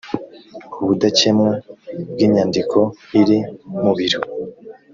ubudakemwa bw’inyandiko iri mu biro